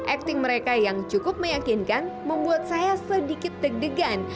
acting mereka yang cukup meyakinkan membuat saya sedikit deg degan